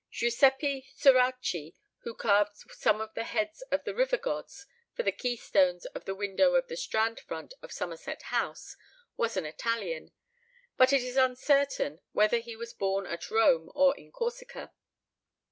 Giuseppe Ceracchi, who carved some of the heads of the river gods for the key stones of the windows of the Strand front of Somerset House, was an Italian, but it is uncertain whether he was born at Rome or in Corsica.